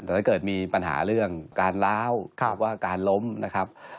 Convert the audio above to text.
แต่ถ้าเกิดมีปัญหาเรื่องการล้าวหรือว่าการล้มนะครับ